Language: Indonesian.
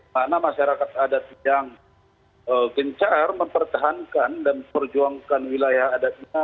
karena masyarakat adat yang gencar mempertahankan dan memperjuangkan wilayah adatnya